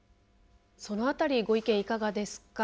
その辺りご意見いかがですか。